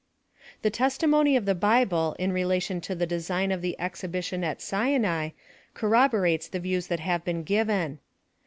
The testimony of the Bible in relation to the design of the ex 112 PIIILOSOPHV OF THE hibition at Sinai corroborates the views that have been given.